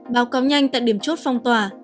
báo cáo nhanh tại điểm chốt phong tỏa